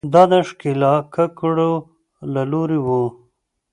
دا د ښکېلاکګرو له لوري وو.